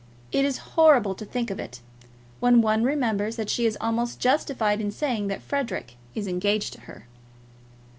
It is horrible to think of it, when one remembers that she is almost justified in saying that Frederic is engaged to her.